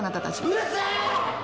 うるせぇ‼